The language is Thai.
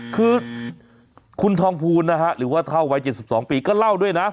คือคุณทองภูลนะฮะหรือว่าเท่าวัย๗๒ปีก็เล่าด้วยนะ